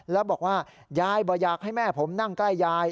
แล้วบอกว่ายายบอกอยากให้แม่ผมนั่งใกล้ยาย